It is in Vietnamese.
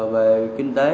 về kinh tế